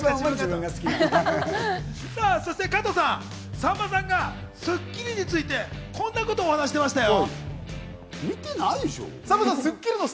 そして加藤さん、さんまさんが『スッキリ』についてこんなことをお話してましたよ。